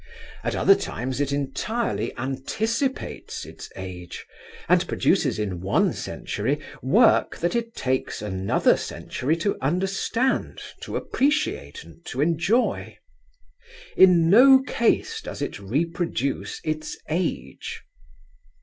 At other times it entirely anticipates its age, and produces in one century work that it takes another century to understand, to appreciate and to enjoy. In no case does it reproduce its age.